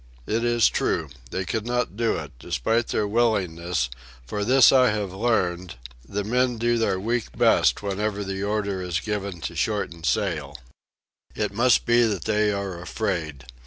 It is true. They could not do it, despite their willingness, for this I have learned: the men do their weak best whenever the order is given to shorten sail. It must be that they are afraid.